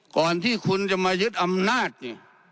ก่อนที่คุณจะมายึดอำนาจเนี่ย